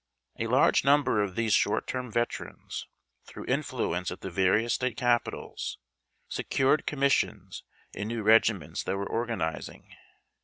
A large 34 EJVLISTIXG. 35 number of these short term veterans, throngli influence at the various State capitals, secured commissions in new reg iments that were organizing.